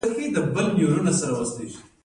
د چغندر ګل د څه لپاره وکاروم؟